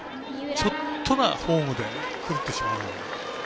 ちょっとなフォームで狂ってしまうので。